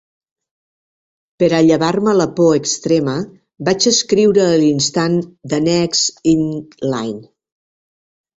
Per a llevar-me la por extrema, vaig escriure a l'instant "The Next in Line"